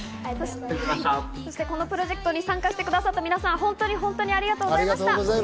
このプロジェクトに参加してくださった皆さん、本当に本当にありがとうございました。